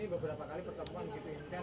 ini beberapa kali pertemuan kita